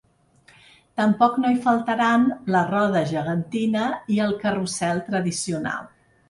Tampoc no hi faltaran la roda gegantina i el carrusel tradicional.